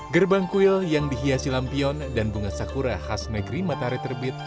gerbang kuil yang dihiasi lampion dan bunga sakura khas negeri matahari terbit